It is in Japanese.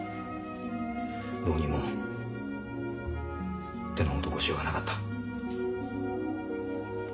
どうにも手の施しようがなかった。